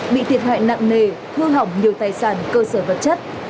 bị thiệt hại nặng nề hư hỏng nhiều tài sản cơ sở vật chất